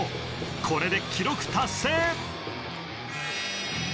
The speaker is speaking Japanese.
これで記録達成